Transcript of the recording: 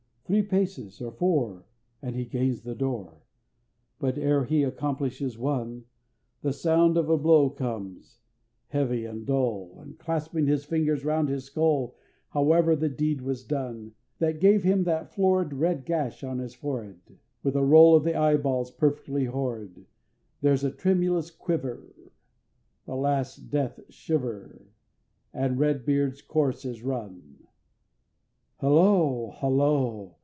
Three paces, or four, And he gains the door; But ere he accomplishes one, The sound of a blow comes, heavy and dull, And clasping his fingers round his skull However the deed was done, That gave him that florid Red gash on the forehead With a roll of the eyeballs perfectly horrid, There's a tremulous quiver, The last death shiver, And Red Beard's course is run! Halloo! Halloo!